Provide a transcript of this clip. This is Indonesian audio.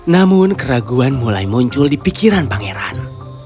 namun keraguan mulai muncul di pikiran pangeran